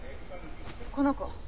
この子？